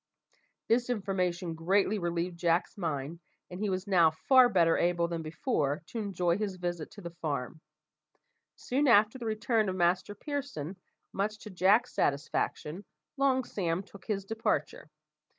This information greatly relieved Jack's mind, and he was now far better able than before to enjoy his visit to the farm. Soon after the return of Master Pearson, much to Jack's satisfaction, Long Sam took his departure.